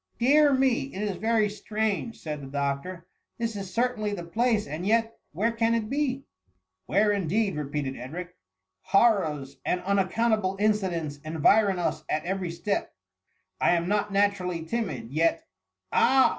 Dear me, it is very strange !'' said the doc tor; " this is certainly the place, and yet, where can it be ?''" Where, indeed !" repeated Edric ;" hor rors and unaccountable incidents environ us at every step ; I ani not naturally timid, yet—*" ^^ Ah